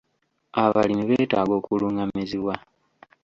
Abalimi beetaaga okulungamizibwa.